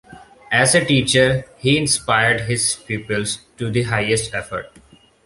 As a teacher he inspired his pupils to the highest effort.